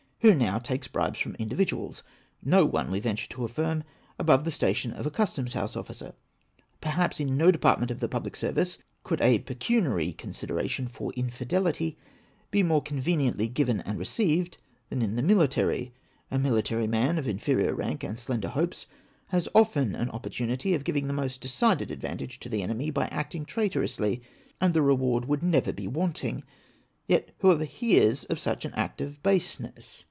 Who now takes bribes from individuals ? No one, we venture to affirm, above the station of a Custom House officer. Per haps in no department of the pul)lic service could a jjecuniarj' consideration for infidelity be more conveniently given and received than in the military : a military man, of inferior rank, and slender hopes, has often an opportunity of giving the most decided advantage to the enemy, by acting traitor ously, and the reward would never be wanting ; yet who ever hears of such an act of baseness